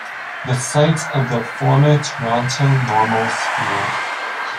The site of the former Toronto Normal School.